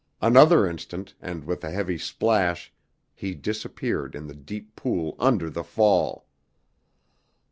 Another instant and with a heavy splash he disappeared in the deep pool under the fall!